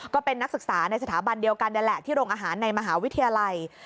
ก็เป็นนักศึกษาในสถาบันเดียวกันนี่แหละที่โรงอาหารในมหาวิทยาลัย